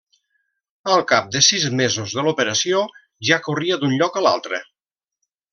Al cap de sis mesos de l'operació ja corria d'un lloc a l'altre.